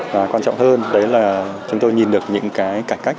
và quan trọng hơn đấy là chúng tôi nhìn được những cái cải cách